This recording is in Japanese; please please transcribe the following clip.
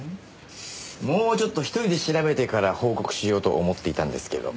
もうちょっと１人で調べてから報告しようと思っていたんですけど。